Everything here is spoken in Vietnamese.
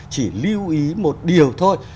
chỉ lưu ý một điều thôi